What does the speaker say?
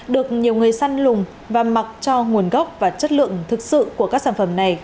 được nhiều người săn lùng và mặc cho nguồn gốc và chất lượng thực sự của các sản phẩm này